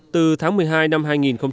từ tháng một mươi hai đến tháng một mươi ba